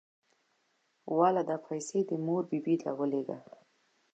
واله دا پيسې دې مور بي بي له ولېګه.